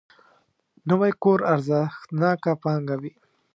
نوی کور ارزښتناک پانګه وي